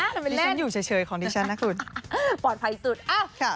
ทำไมเล่นดิฉันอยู่เฉยเฉยของดิฉันนะคุณปลอดภัยสุดอ้าวค่ะ